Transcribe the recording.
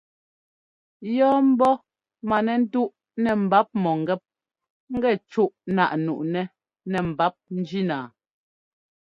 Yɔ́ ḿbɔ́ matɛtúꞌ nɛ mbap mɔ̂ŋgɛ́p ŋgɛ cúꞌ náꞌ nuꞌnɛ́ nɛ mbap njína.